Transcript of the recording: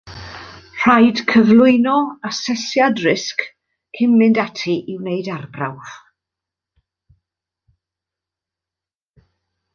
Rhaid cyflwyno asesiad risg cyn mynd ati i wneud arbrawf